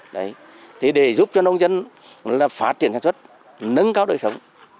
đấy thì để giúp cho nông dân là phát triển sản xuất nâng cao đời sống